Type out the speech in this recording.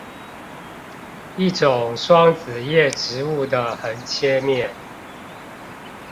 一種雙子葉植物的橫切面